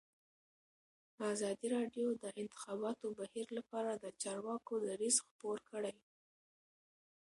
ازادي راډیو د د انتخاباتو بهیر لپاره د چارواکو دریځ خپور کړی.